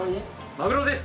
マグロです！